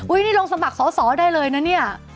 นี่ลงสมัครสอสอได้เลยนะเนี่ย